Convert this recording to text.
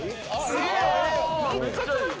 すげえ！